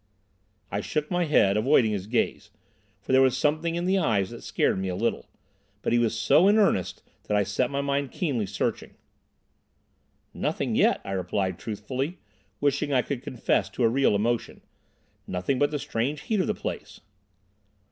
I shook my head, avoiding his gaze, for there was something in the eyes that scared me a little. But he was so in earnest that I set my mind keenly searching. "Nothing yet," I replied truthfully, wishing I could confess to a real emotion; "nothing but the strange heat of the place."